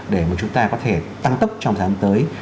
để mà chúng ta có thể tăng tốc trong tháng tới